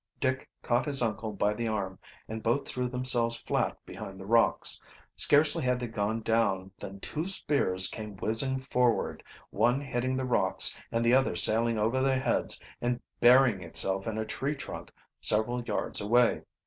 Dick caught his uncle by the arm, and both threw themselves flat behind the rocks. Scarcely had they gone down than two spears came whizzing forward, one hitting the rocks and the other sailing over their heads and burying itself in a tree trunk several yards away.